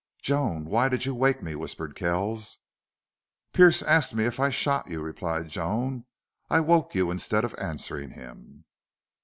"Joan, why did you wake me?" whispered Kells. "Pearce asked me if I shot you," replied Joan. "I woke you instead of answering him."